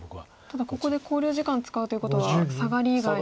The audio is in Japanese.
ただここで考慮時間使うということはサガリ以外の。